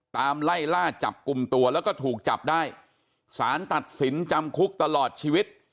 ไล่ล่าจับกลุ่มตัวแล้วก็ถูกจับได้สารตัดสินจำคุกตลอดชีวิต